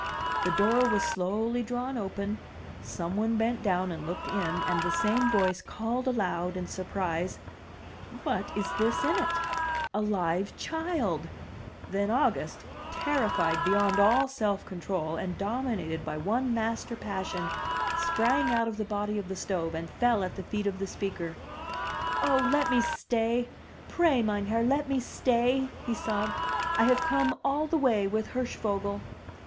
The door was slowly drawn open, some one bent down and looked in, and the same voice called aloud, in surprise, "What is this in it? A live child!" 308 THE TREASURE CHEST Then August, terrified beyond all self control, and dominated by one master passion, sprang out of the body of the stove and fell at the feet of the speaker. "Oh, let me stay! Pray, meinherr, let me stay!'' he sobbed. "I have come all the way with Hirschvogel!''